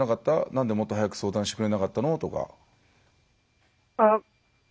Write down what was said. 何でもっと早く相談してくれなかったの？とか。